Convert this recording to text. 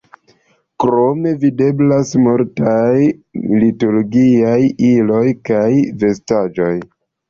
Krome videblas multaj liturgiaj iloj kaj vestaĵoj.